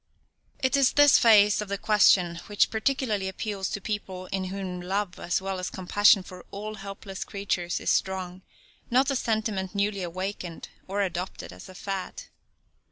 It is this phase of the question which particularly appeals to people in whom love, as well as compassion for all helpless creatures is strong, not a sentiment newly awakened, or adopted as a fad.